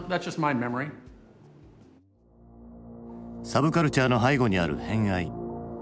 サブカルチャーの背後にある偏愛憎悪。